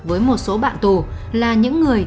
với một số bạn tù là những người